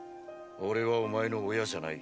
俺はお前の親じゃない。